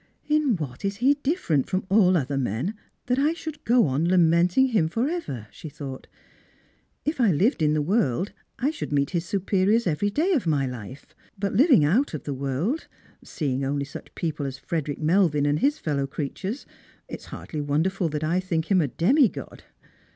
" In what is he different from all other men that I should go on lamenting him for ever? " she thought. " If I lived in the world, I should meet his superiors every day of my life. But living out of the world — seeing only such people as Frederick Melvin and his fellow creatures — it is hardly wonderful that I think him a demi god."